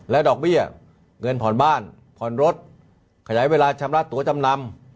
ดอกเบี้ยเงินผ่อนบ้านผ่อนรถขยายเวลาชำระตัวจำนำ